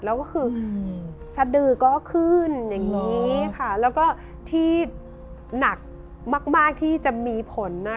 แล้วก็คือสดือก็ขึ้นอย่างนี้ค่ะแล้วก็ที่หนักมากที่จะมีผลนะ